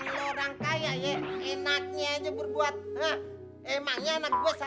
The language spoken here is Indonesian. seharusnya kalau udah berputar apa yang berapa